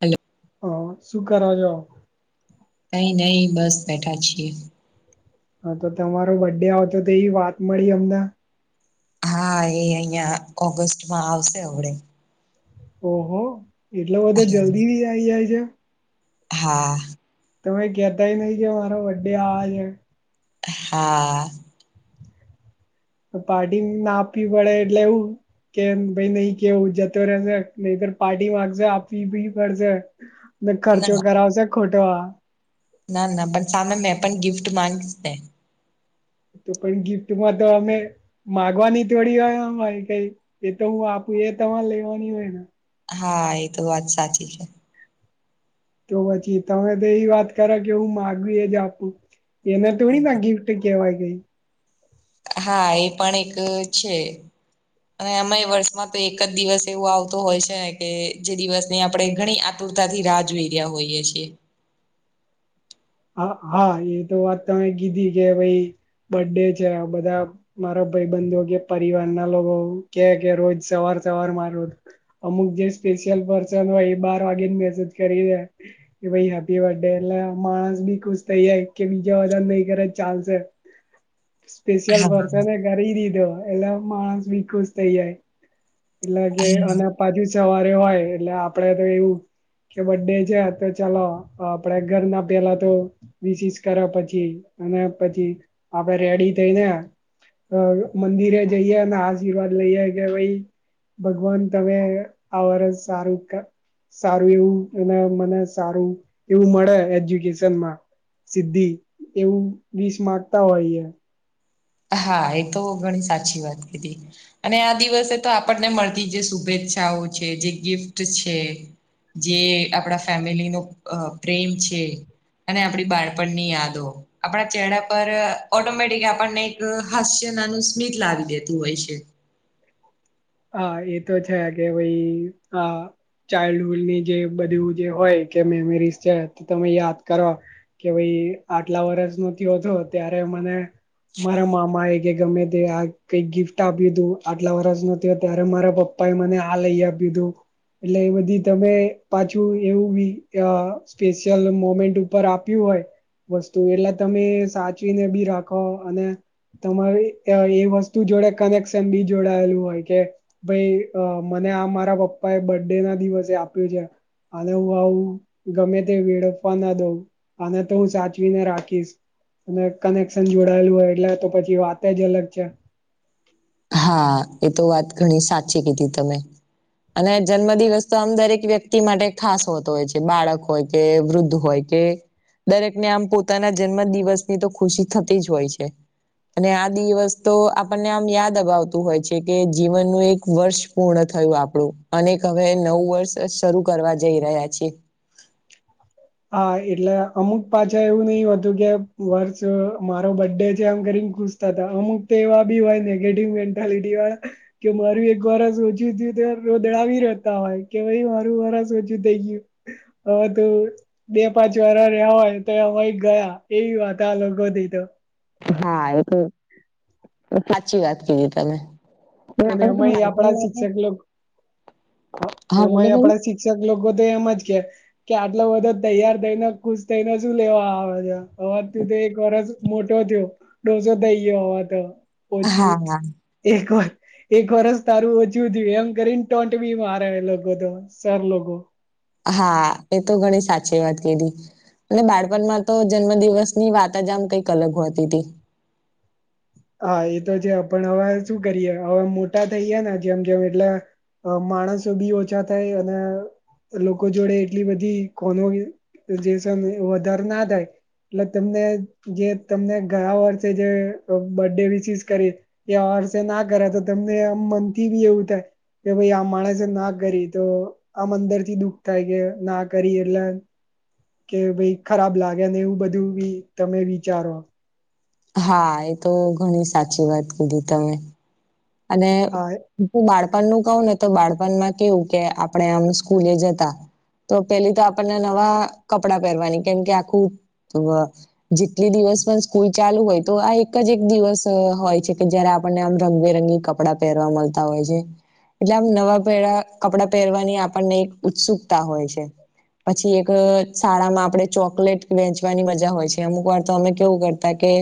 Hello હ સુુંખો નહીઈ નહી બસ બેઠા છીએ હા તો તમારો બર્ડે આવ તો તો એ વાત મળી અમદં હા એ અહિયાં ઓગસ્ટમાં આવશે હડે ઓહો એટલે બધો જલ્દી બી આઈ જાય છે હા તમે કહેતાય નહ કે મારો વડે આજ હા પાર્ટી ના આપવી પડે એટલે એવું કે ભાઈ નહી કેવ જતો રહે જ નર પાર્ટી મામાંગજ આપી ભી કરજ મે ખર્ચો ના કરાવશે ખોટો ના ના પણ સામે્ય પણ ગિફ્ટ મામાંગ તો પણ ગિફ્ટમાં તો અમે માગવાની થોડી હોય આય કઈ એ તો હું આપું એ તમારે લેવાની હોય ને હા એ તો વાત સાચી છે તો પછી તમે તો એ વાત કર કે હું માગવી એ જ આપું એને તોડી ના ગિફ્ટ કેહેવાય ગઈ હા એ પણ એક છે અને અમે વર્ષમાં તો એક જ દિવસ એવું આવતોું હોય છેને કે જે દિવસની આપડે ઘણી આતુરતાથી રાહ જોઈ રહ્યા હોઈએ છીએ હા હા એ તો વાત તમે કીધી કે ભાઈ બર્ ડે છે બધા મારા ભાઈ બંધુ કે પરિવાર ના લોકો કે કે રોજ સવાર સવાર માર અમુક જે સ્પેશિયલ પર્સન હોય એ બાર વાગેને મેસેજ કરી રહે કે ભાઈ હેપી બર્થ ડે એ માણસ બી ખુશ થઈ જાય કે બીજા વન નહી કરે ચાલશે સ્પેશિયલ હા પર્સન કરી દીધો એટલે માણસ બી ખુશ થઈ જાય એટલે કે અ બાજુ સવારે હોય એટલે આપડે તો એવું કે બર્ ડે છે તો ચાલો આપડે ઘર ના પેલા તો [unintelligible] કર્યા પછી અને પછી આપે રેડી થઈ ને અ મંદિરે જઈએ અને આશીર્વાદ લઈએે કે ભાઈ ભગવાન તમે આ વર્ષ સારું કા સારું એવું અને મને સારું એવું મળે એજ્યુકે સનમા એવું વીસ માંગતા હોયે હા એ તો ઘણી સાચી વાત કીધી અને આ દિવસે તો આપણને મળતી જે શુભેચ્છાઓ છે, જે ગિફ્ટ છે. જે આપણા ફેમિલી નો અ પ્રેમ છે. અને આપડી બાળપણની યાદો આપણા ચેડા પર ઓટોમેટિક આપણને અ હાસ્ય નાનું સ્મિત લાવી દેતું હોય છે. હા એ તો છે, કે ભાઈ હા ચાઇલ્ડહુડની જે બધું જે હોય કે મેમરીઝ છે, તે તમે યાદ કરો કે ભાઈ આટલા વર્ષ નો થીયો તો ત્યારે મને મારા મામા એ કે ગમે તે આ કઈક ગિફ્ટ આપ્યું તું આટલા વર્ષ નુ થયો ત્યારે મારા પપ્પા એ મને આ લઈ આપીયુતુ એટલે એ બધી તમે પાછું એવું બી અ સ્પેશિયલ મોમેન્ટ ઉપર આપ્યું હોય વસ્તુ એટલે તમે સાચવીને બી રાખો અને તમારે અ એ વસ્તુ જોડે કનેક્શન બી જોડાયેલું હોય કે ભાઈ અ મને આ મારા પપ્પા એ બર્થ ડે ના દિવસે આપ્યું છે. આલે હું આવું ગમે તે વેળફવા ના દઉં આને તો હું સાચવીને રાખીશ અને કનેક્શન જોડાયેલું હોય એટલે તો પછી વાતે જ અલગ છે. હા એ તો વાત ઘણી સાચી કીધી તમે અને જન્મ દિવસ તો આમ દરેક વ્યક્તિ માટે ખાસ હોતો હોય છે, બાળક હોય કે વૃદ્ધ હોય કે દરેક ને આમ પોતાના જન્મ દિવસની તો ખુશી થતી જ હોય છે. અને આ દિવસ તો આપણને આમ યાદ દબાવતું હોય છે, કે જીવનનું એક વર્ષ પૂર્ણ થયું આપણું અને હવે નવું વર્ષ શરૂ કરવા જઈ રહ્યા છે. હા એટલે અમુક પાછા એવું નહિ હોતું કે વર્ષ મારો બરડે છે, એમ કરીને ખુશ તા તા અમુક તે એવા બી હોય નેગેટિવ મેન્ટાલિટી વાળા કે મારું એક વારસ ઓછું થયું ત રોદડાવી રહેતા હોય કે ભાઈ મારું વારસ ઓછું થઈ ગયું હ તો બે પાંચ વાર રેવાય હોય તે વય ગયા એવી વાતા આ લોકો થી તો હા એ તો સાચી વાત કીધી તમે આપણે અને તો એમાંય બાળપણમાં તો આપણા શિક્ષક લોક હા બોલો એમાંય બોલો આપણા શી ક્ષક લોકો તો એમજ કે કે આટલો બધો તૈયાર થઈને ખુશ થઈને શું લેવા આવે છે, હવે થી ત એક વરષ મોટો થયો ડોસો થઈ ગયો હવા તો ઓછું હા હા એક વ એક વર્ષ તારું ઓછું થયું એમ કરીને ટોનટ બી મારે એ લોકો તો સર લોકો હા એ તો ઘણી સાચી વાત કીધી અને બાળપણમાં તો જન્મ દિવસની વાત આમ કઈક અલગ હોતીતી હા એ તો છે, પણ અવે શું કરીએ અવે મોટા થઈ ગયા ને જેમ જેમ એટલે અ માણસો બી ઓછા થાય અને લોકો જોડે એટલી બધી કોનો જેનસ વધાર ના થાય એટલે તમને જે તમને ગયા વર્ષે જે તો બર્ડે વિસીસ કરી કે આ વષેના કરે તો તમને આમ મનથી બી એવું થાય કે ભાઈ આ માણસે ના કરી તો આમ અંદરથી દુઃખ થાય કે ના કરી એટલે કે ભાઈ ખરાબ લાગે ને એવું બધું બી તમે વિચારો હા એ તો ઘણી સાચી વાત કીધી તમે અને હા હું બાળપણનું કહું નેતો બાળપણમાં કેવું કે આપણે આમ સ્કૂલે જતા તો પેલી તો આપણને નવા કપડાં પહેરવાની કેમકે આખું, જેટલી દિવસ પણ સ્કૂલ ચાલુ હોય તોઆ એક જ એક દિવસ હોય છે, કે જયારે આપણને આમ રંગબેરંગી. કપડાં પહેરવા મળતા હોય છે, એટલે આમ નવા પહેળા કપડાં પહેરવાની આપણને એક ઉત્સુકતા હોય છે. પછી એક શાળામાં આપડે ચોકલેટ વેચવાની મજા હોય છે, અમુકવાર તો અમે કેવું કરૂં. કે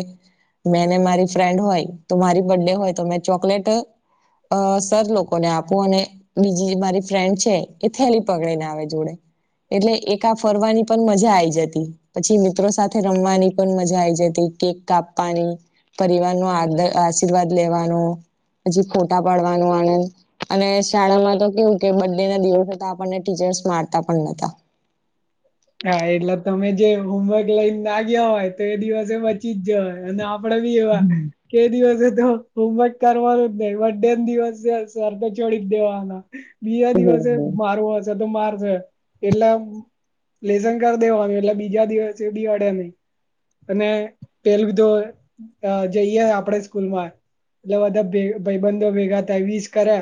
મેને મારી ફ્રેન્ડ હોય તો મારી બર્થડે હોય તોમે ચોકલેટ. અ સર લોકોને આપું, અને બીજી મારી ફ્રેન્ડ છે, એ થેલી પકડે ને આવે જોડે. એટલે એકા ફરવાની પણ મજા આઈ જતી, પછી મિત્રો સાથે રમવાની પણ મજા આઈ જતી કેક કાપવાની. પરિવાર નો આદ આશીર્વાદ લેવાનો. હજી ખોટા પાડવાનું આણંદ, અને શાળામાં તો કેવું કે બર્થડે ના દિવસો તો આપણને ટીચર્સ મારતા પણ નોતા. હા એટલે તમે જે હોમવર્ક લઈને તાગ્યા હોય તો એ દિવસે બચી જ જય અને આપ. પડી બી એવા. હમ એ દિવસે તો હોમવર્ક કરવાનું જ નહીં બથૅડે દિવસે શરતો છોડી જ દેવાના, બીજ દિવસે હમ માર હશે તો મારે. એટલે લેશન કરી દેવાનું એટલે બીજા દિવસે અડે નહીં. અને પેલું તો જઈએ, આપણે સ્કૂલમાં એટલે બધા ભાઈ બંધો ભેગા થાય વીસ કરે.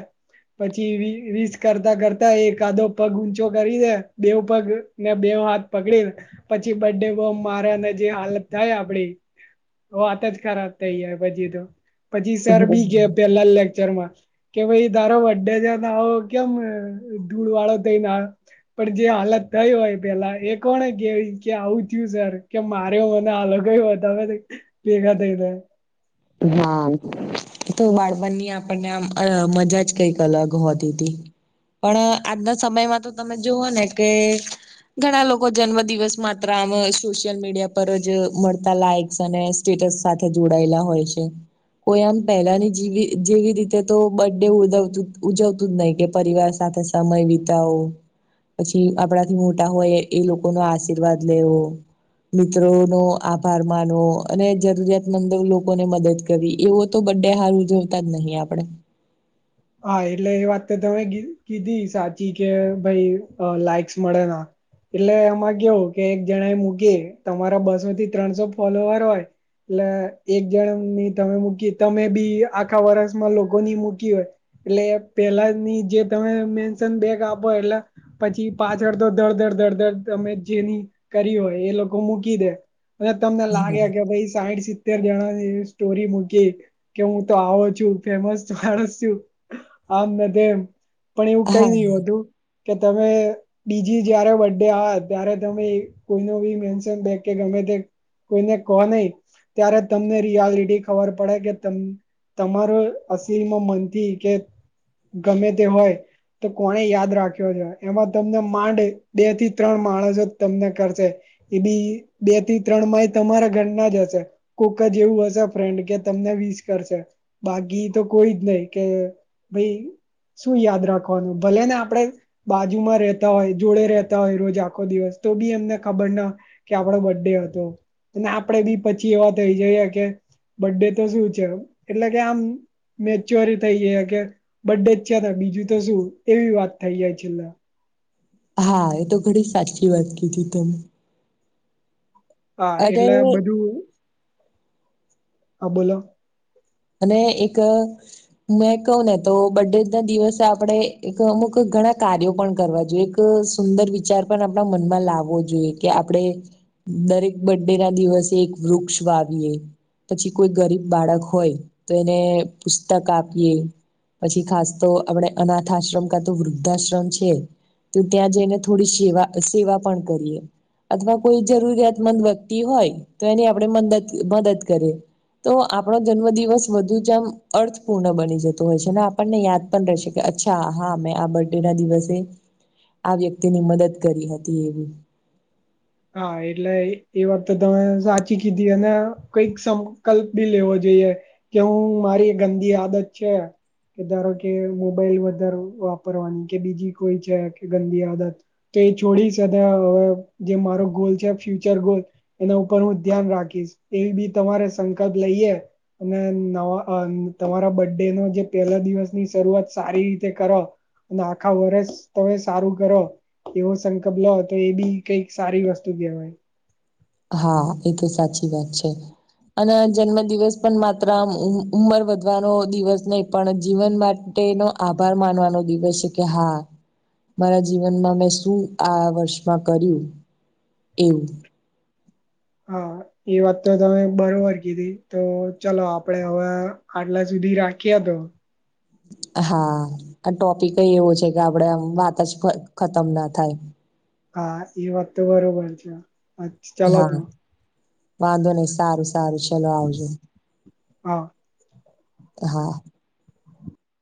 પછી વીસ કરતા કરતા એકાદો પગ ઊંચો. કરીદે બેવ પગ ને બેવ હાથ પકડી દે. પછી બથૅડે બોમ મારે અને જે હાલત થાય, આપડી વાત જ ખરાબ થઇ જાય, પછી તો પછી સર બી ગયા પેલા લેકચરમાં. કે ભાઈ તારો બથૅડે ના આવો કેમ ધૂળ વાળો થઈ ના આયો. પણ જે હાલત થઈ હોય પેલા એ કોને કેવી કે આવું થયુંશે. કે મારે મને અલગયતાવે ભેગા થઈ જાય. હા, તો વાળબની આપણને આમ મજા જ કંઈક અલગ હોતી હતી. પણ આજના સમયમાં તો તમે જુઓ ને કે, ઘણા લોકો જન્મદિવસ માત્ર આમ સોશિયલ મીડિયા પર જ મળતા લાઈક્સ અને, સ્ટેટસ સાથે જોડાયેલા હોય છે, કોઈ આમ પહેલાની જેવી જેવી રીતે તો બર્થ ડે ઉજવતું ઉજવતું જ નહીં કે પરિવાર સાથે, સમય વિતાવો, પછી આપણાથી મોટા હોયએ લોકો નો આશીર્વાદ લેવો. મિત્રો નો આભારમાંનો અને જરૂરિયાતમંદ લોકો, લોકોને મદદ કરી એવો તો બંને હાર ઉજવતા જ નહીં આપડે, હા, એટલે એ વાતતો તમે કીધી સાચી કે ભાઈ લાઈક્સ મળેના. એટલે એમાં કેવું કે એક જણા એ મૂકી તમારા બસો થી ત્રણસો ફોલોવર હોય. એટલે એક જણની તમે મૂકી તમે બી આખા વર્ષમાં લોકોની મૂકી હોય. એટલે પેલા નીજે તમે મેશન બેગ આપો એટલે, પછી પાછળ તો દડ દડ દડ દડ તમે જેની કરી હોય એ લોકો મૂકીદે. અને તમને લાગે કે ભાઈ સાઈડ. અરજણાની સ્ટોરી મૂકી કે હુંતો આવો છું, ફેમસ માણસ છું. આમ નથી એમ પણ એવું હા કંઈ હા નહીં હોતું કે તમે, બીજી જારે બથૅડે આવે ત્યારે તમે કોઈ બી મેન્શન બેગ કે ગમે તે. કોઈને કહો નહીં. ત્યારે તમને રિયાલિટી ખબર પડે કે તમારો અસલમાં મનથી. કે ગમે તે હોય. તો કોને યાદ રાખ્યો છે એમાં તમને માંડ બે થી ત્રણ માણસો તમને કરશે. એ બી બે થી ત્રણ માઇ તમારા ઘર ના જ હશે. કોક જે એવું હશે ફ્રેન્ડ કે તમને વિસ કરશે બાકી તો કોઈ જ નહી કે ભાઈ શું યાદ રાખવાનું ભલે ને આપડે બાજુમાં રહેતા હોય જોડે રતા હોય, રોજ આખો દિવસ તો બી એમને ખબર ના કે આપડો બર્ ડે હતો અને આપણેે બી પછી એવા થઈ જઈએ કે બર્ ડે તો શું છે એટલે કે આમ મેચ્યોરી થઈ જાય. બે જ છે બીજું તો શું એવી વાત થઈ જાય છેલ્લા. હા એ તો ઘણી સાચી વાત કીધી તમે. હા અરે એટલે બધું હા બોલો અને એક મેં કહ ને તો બર્ ડે ના દિવસે આપડણે એક અમુક ઘણા કાર્યો પણ કરવા જોઈએ. એક સુંદર વિચાર પણ આપણા મનમાં લાવવો જોઈએ કે આપણે દરેક બર્ ડે ના દિવસે એક વૃક્ષ વાવીએ. પછી કોઈ ગરીબ બાળક હોય તો એને પુસ્તક આપીએ પછી ખાસ તો આપડણે અનાથ આશ્રમ કા તો વૃદ્ધાશ્રમ છે. તો ત્યાં જઈને થોડી સેવા સેવા પણ કરીએ અથવા કોઈ જરૂરિયાતમંદ વ્યક્તિ હોય, તો એની આપણે મ મદદ કરીએ તો આપણો જન્મદિવસ વધુ જમ અર્થપૂર્ણ બની જતોું હોય છે, આપણને યાદ પણ રહેશે કે અચ્છા હા મેં આ બ બે ના દિવસે આ વ્યક્તિ ની મદદ કરી હતી એવી. હા એટલે એ વાખ તો તમે સાચી કીધી અને કઈક સંકલ્પ બી લેવો જોઈએ. કે હું મારી ગંદી આદત છે. કે ધારો કે મોબાઈલ વધારે વાપરવાની કે બીજી કોઈ છે કે ગંદી આદત તો એ છોડી શ હવે જે મારો ગોલ છે, ફ્યુચર ગોલ એના ઉપર હું ધ્યાન રાખીશ એવી બી તમારે સંકલ્પ લઈએ. અને નવા તમારા બર્ ડે નો જે પહેલા દિવસની શરૂઆત સારી રીતે કરો અને આખા વર્ષ તમે સારું કરો એવો સંકલ્પ લો તો એ બી કઈક સારી વસ્તુ કેહેવાય. હા એ તો સાચી વાત છે. અને જન્મ દિવસ પણ માત્ર ઉંમર વધવાનો દિવસ નહી પણ જીવનમાં તેનો આભાર માનવાનો દિવસ છે કે હા. મારા જીવનમાં મેં શું આ વર્ષમાં કર્યું એવુ હા. એ વાત તો તમે બરોબર કીધી તો ચલો આપડે હવે આટલા સુધી રાખીએ તો હા આ ટોપિક એવો છે કે આપડે આ વાત જ ખતમ ના થાય. હા એ વાત બરોબર છે. ચાલો તો હા વાંધો નહી સારું સારું ચલો આવજો. હા હા